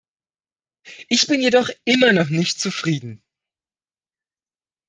Ich bin jedoch immer noch nicht zufrieden.